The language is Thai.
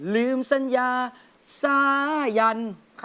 ลืมสัญญาสายัน